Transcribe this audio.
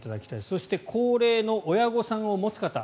そして高齢の親御さんを持つ方